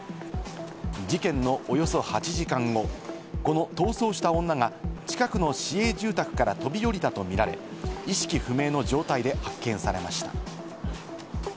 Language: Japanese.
事件のおよそ８時間後、この逃走した女が近くの市営住宅から飛び降りたとみられ、意識不明の状態で発見されました。